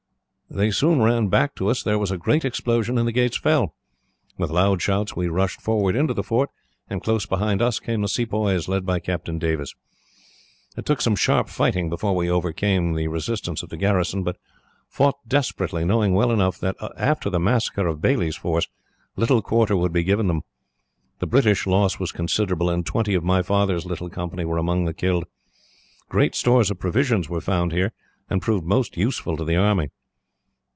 "They soon ran back to us. There was a great explosion, and the gates fell. With loud shouts we rushed forward into the fort; and close behind us came the Sepoys, led by Captain Davis. "It took some sharp fighting before we overcame the resistance of the garrison, who fought desperately, knowing well enough that, after the massacre of Baillie's force, little quarter would be given them. The British loss was considerable, and twenty of my father's little company were among the killed. Great stores of provisions were found here, and proved most useful to the army.